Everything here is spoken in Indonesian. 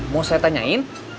mau saya tanyain